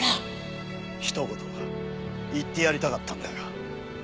一言言ってやりたかったんだよ。